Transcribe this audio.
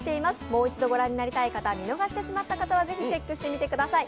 もう一度御覧になりたい方、見逃してしまった方はぜひチェックしてみてください。